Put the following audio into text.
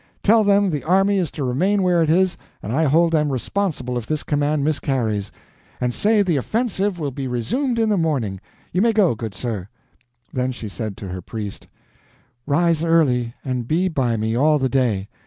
Tell them the army is to remain where it is, and I hold them responsible if this command miscarries. And say the offensive will be resumed in the morning. You may go, good sir." Then she said to her priest: "Rise early, and be by me all the day.